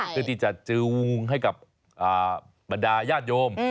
เพื่อที่จะจูงให้กับบรรดาญาติโยม